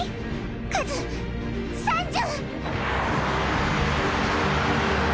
数３０！